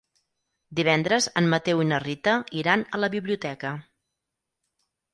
Divendres en Mateu i na Rita iran a la biblioteca.